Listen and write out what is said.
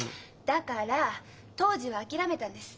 だから当時は諦めたんです。